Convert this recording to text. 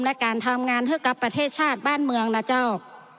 และการทำงานให้กับประเทศชาติบ้านเมืองนะเจ้า